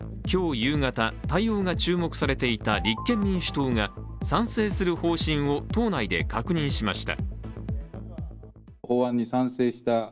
夕方、対応が注目されていた立憲民主党が賛成する方針を党内で確認しました。